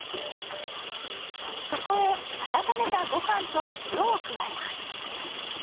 そこへ温めたごはんと塩を加えます。